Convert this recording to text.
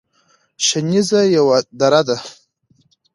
شنیز یوه دره ده